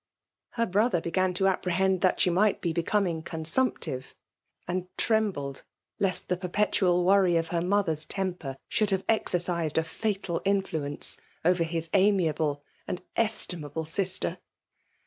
Her brother began to apprehend that she might be becoming consumptive ; and trembled lest the perpetual wony of h€¥ mother's temper should have exercised a fatal isfluenee over his amiable and estimable sifter.